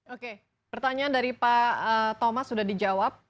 oke pertanyaan dari pak thomas sudah dijawab